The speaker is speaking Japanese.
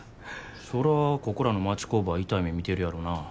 そらここらの町工場は痛い目見てるやろな。